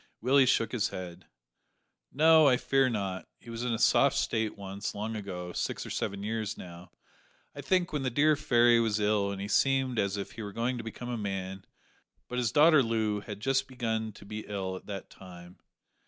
Willie shook his head. "No, I fear not. He was in a soft state once long ago six or seven years now, I think when the dear fairy was ill and he seemed as if he were going to become a man; but his daughter Loo had just begun to be ill at that time.